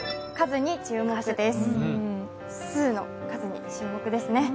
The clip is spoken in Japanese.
スーの数に注目ですね。